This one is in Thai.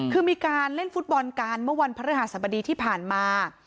คือมีการเล่นฟุตบอลกันเมื่อวันพระฤหัสบดีที่ผ่านมา